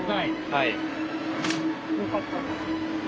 はい。